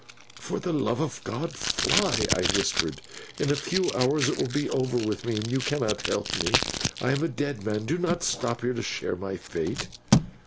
"For the love of God, fly," I whispered. "In a few hours it will be over with me, and you cannot help me. I am a dead man, do not stop here to share my fate."